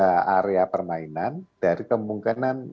karya permainan dari kemungkinan